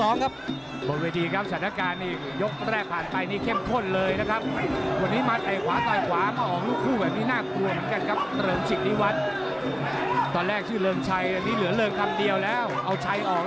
แน่นอกแน่นอกแน่นอกแน่นอกแน่นอกแน่นอกแน่นอกแน่นอก